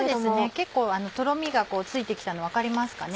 結構とろみがついて来たの分かりますかね？